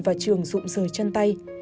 vào trường rụm rời chân tay